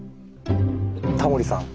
タモリさん。